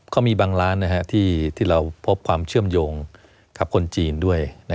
ก็มีบางร้านที่เราพบความเชื่อมโยงกับคนจีนด้วย